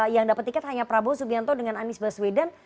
yang dapat tiket hanya prabowo subianto dengan anies baswedan